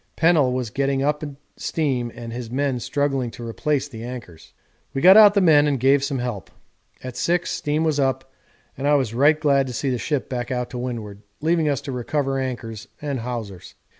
Pennell was getting up steam and his men struggling to replace the anchors. We got out the men and gave some help. At 6 steam was up, and I was right glad to see the ship back out to windward, leaving us to recover anchors and hawsers.